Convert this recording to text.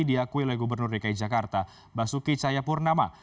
diakui oleh gubernur dki jakarta basuki cayapurnama